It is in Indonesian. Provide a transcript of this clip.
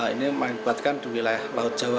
ini mengibatkan di wilayah laut jawa